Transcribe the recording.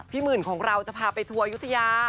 หมื่นของเราจะพาไปทัวร์อายุทยา